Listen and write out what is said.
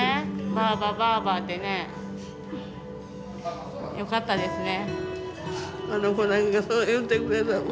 ばあば、ばあばってね。よかったですね。